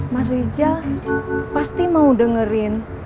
mas rizal pasti mau dengerin